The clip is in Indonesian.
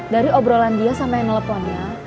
dari obrolan dia sama yang ngeleponnya